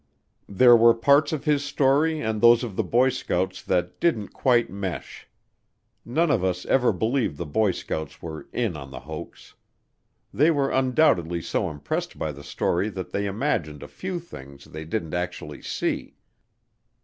There were parts of his story and those of the boy scouts that didn't quite mesh. None of us ever believed the boy scouts were in on the hoax. They were undoubtedly so impressed by the story that they imagined a few things they didn't actually see.